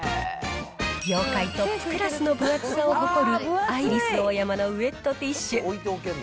業界トップクラスの分厚さを誇る、アイリスオーヤマのウエットティッシュ。